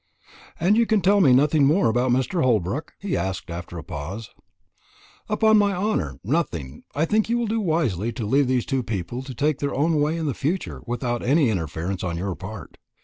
"And you can tell me nothing more about Mr. Holbrook?" he asked after a pause. "Upon my honour, nothing. I think you will do wisely to leave these two people to take their own way in the future without any interference on your part.